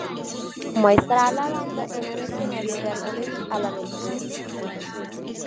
Muestra a la banda en un escenario de árboles al anochecer.